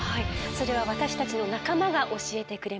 それは私たちの仲間が教えてくれます。